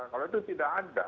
kalau itu tidak ada